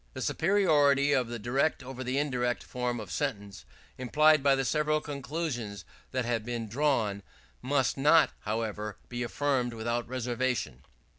The superiority of the direct over the indirect form of sentence, implied by the several conclusions that have been drawn, must not, however, be affirmed without reservation.